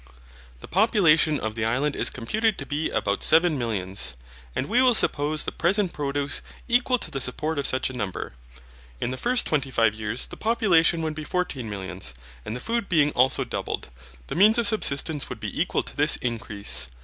The population of the Island is computed to be about seven millions, and we will suppose the present produce equal to the support of such a number. In the first twenty five years the population would be fourteen millions, and the food being also doubled, the means of subsistence would be equal to this increase.